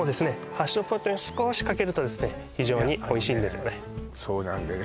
ハッシュドポテトに少しかけるとですね非常においしいんですよねそうなんだよね